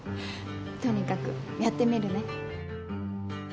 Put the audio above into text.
とにかくやってみるね！